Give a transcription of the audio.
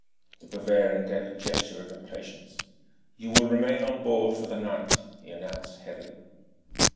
The Bavarian gave a gesture of impatience. "You will remain on board for the night," he announced heavily.